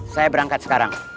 saya berangkat sekarang